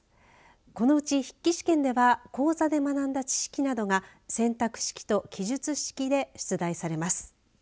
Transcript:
このうち筆記試験では講座で学んだ知識などが選択式と記述式で出題されます。